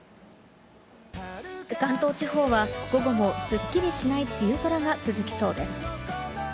関東地方は午後もスッキリしない梅雨空が続きそうです。